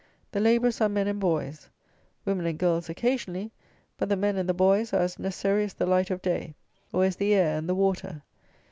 The labourers are men and boys. Women and girls occasionally; but the men and the boys are as necessary as the light of day, or as the air and the water.